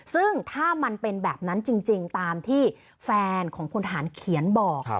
ซึ่งถ้ามันเป็นแบบนั้นจริงตามที่แฟนของพลทหารเขียนบอก